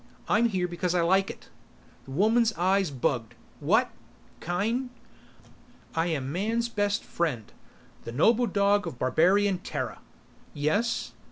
I'm here because I like it." The woman's eyes bugged. "What ... kind ?" "I am man's best friend the noble dog of Barbarian Terra." "Yes